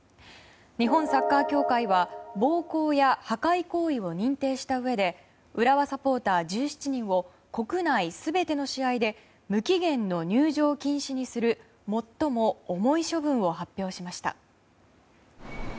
日本サッカー協会は暴行や破壊行為を認定したうえで浦和サポーター１７人を国内全ての試合で無期限の入場禁止にする最も重い処分を発表しました。